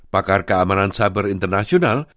pakar keamanan cyber internasional